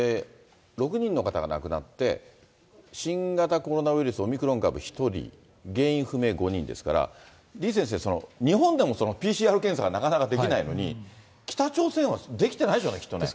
６人の方が亡くなって、新型コロナウイルスオミクロン株１人、原因不明５人ですから、李先生、日本でもＰＣＲ検査がなかなかできないのに、北朝鮮はできてないでしょうね、きっとね。